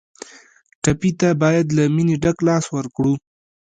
ټپي ته باید له مینې ډک لاس ورکړو.